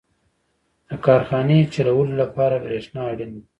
• د کارخانې چلولو لپاره برېښنا اړینه ده.